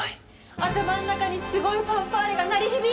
頭の中にすごいファンファーレが鳴り響いてきた。